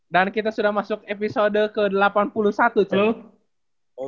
dan kita sudah masuk episode ke delapan puluh satu chen